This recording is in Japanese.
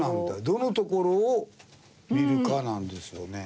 どのところを見るかなんですよね。